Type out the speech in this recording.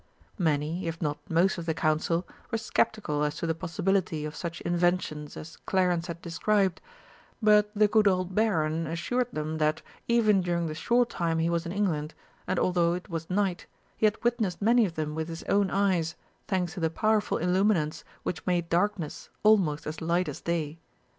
Many, if not most of the Council were sceptical as to the possibility of such inventions as Clarence had described, but the good old Baron assured them that, even during the short time he was in England, and although it was night, he had witnessed many of them with his own eyes, thanks to the powerful illuminants which made darkness almost as light as day.